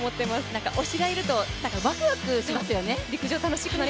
何か推しがいるとワクワクしますよね。